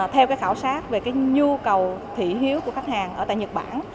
theo khảo sát về nhu cầu thị hiếu của khách hàng ở tại nhật bản